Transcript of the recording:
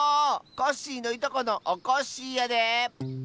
コッシーのいとこのおこっしぃやで。